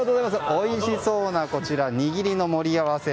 おいしそうな握りの盛り合わせ。